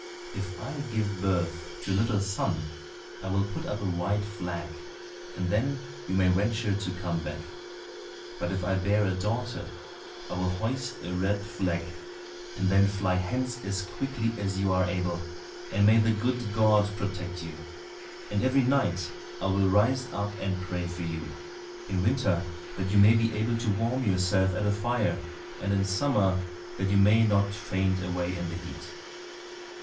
If I give birth to a little son, I will put up a white flag, and then you may venture to come back, but if I bear a daughter, I will hoist a red flag, and then fly hence as quickly as you are able, and may the good God protect you. And every night I will rise up and pray for you—in winter that you may be able to warm yourself at a fire, and in summer that you may not faint away in the heat."